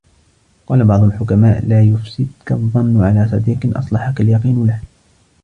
وَقَالَ بَعْضُ الْحُكَمَاءِ لَا يُفْسِدُك الظَّنُّ عَلَى صَدِيقٍ أَصْلَحَك الْيَقِينُ لَهُ